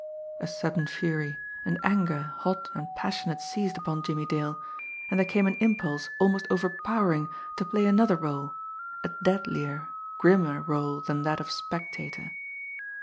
A sudden fury, an anger hot and passionate seized upon Jimmie Dale; and there came an impulse almost overpowering to play another role, a deadlier, grimmer role than that of spectator!